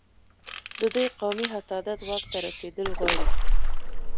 د دوی قومي حسادت واک ته رسېدل غواړي.